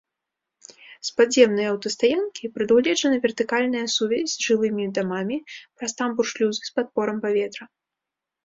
З падземнай аўтастаянкі прадугледжана вертыкальная сувязь з жылымі дамамі праз тамбур-шлюзы з падпорам паветра.